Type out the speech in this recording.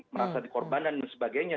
merasa dikorbanan dan sebagainya